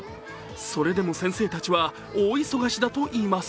それでも先生たちは大忙しだといいます。